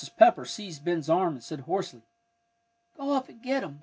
Pepper seized Ben's arm and said hoarsely, "Go up after him."